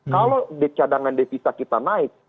kalau cadangan devisa kita naik